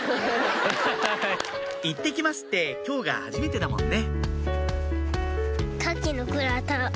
「いってきます」って今日がはじめてだもんね